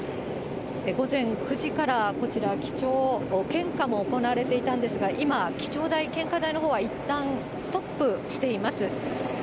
午前９時からこちら、記帳、献花も行われていたんですが、今、記帳台、献花台のほうはいったんストップしています。